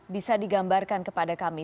bisa digambarkan kepada kami